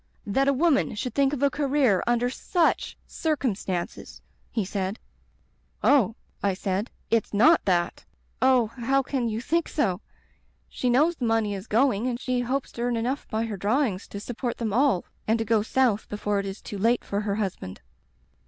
That a woman should think of a career under such circum stances!' he said. "*Oh,' I said, 'it's not that. Oh, how can you think so ? She knows the money is going and she hopes to earn enough by her draw ings to support them all and to go South before it is too late for her husband.'